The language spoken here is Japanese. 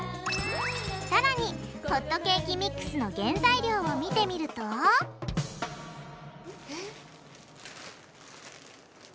さらにホットケーキミックスの原材料を見てみるとえっ？